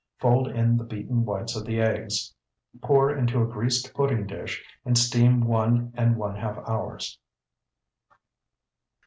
Fold in the beaten whites of the eggs, pour into a greased pudding dish, and steam one and one half hours.